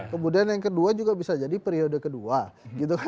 kemudian yang kedua juga bisa jadi periode kedua